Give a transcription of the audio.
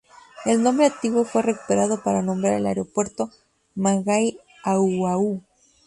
El nombre antiguo fue recuperado para nombrar al aeropuerto Mangaia-Auau.